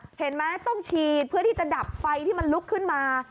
เห็นไหมต้องฉีดเพื่อที่จะดับไฟที่มันลุกขึ้นมา